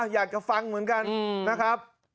อยากจะฟังเหมือนกันนะครับ